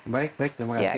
baik baik terima kasih